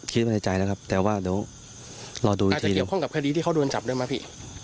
คิดมันในใจแล้วครับแต่ว่าเดี๋ยวรอดูอีกที